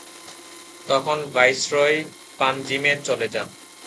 তখন ভাইসরয় পাঞ্জিমে চলে যান।